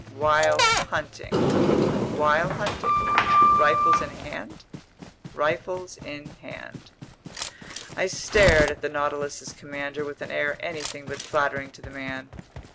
"While hunting?" "While hunting." "Rifles in hand?" "Rifles in hand." I stared at the Nautilus's commander with an air anything but flattering to the man.